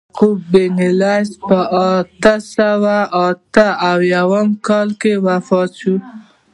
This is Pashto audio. یعقوب بن لیث په اته سوه اته اویا کال کې وفات شو.